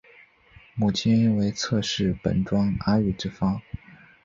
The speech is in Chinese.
母亲为侧室本庄阿玉之方。